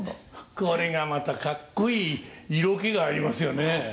これがまたかっこいい色気がありますよね。